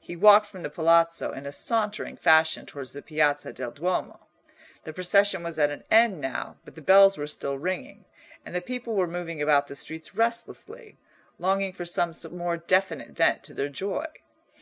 He walked from the Palazzo in a sauntering fashion towards the Piazza del Duomo. The procession was at an end now, but the bells were still ringing, and the people were moving about the streets restlessly, longing for some more definite vent to their joy.